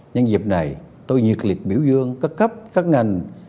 nhân dịp này tôi nhiệt liệt biểu dương các cấp các ngành